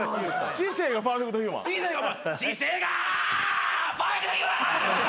知性がパーフェクトヒューマン！